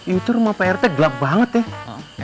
itu rumah prt gelap banget ya